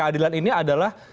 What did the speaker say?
keadilan ini adalah